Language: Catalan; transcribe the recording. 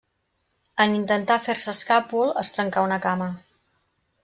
En intentar fer-se escàpol, es trencà una cama.